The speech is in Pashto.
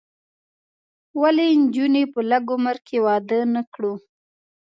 ولې نجونې په لږ عمر کې واده نه کړو؟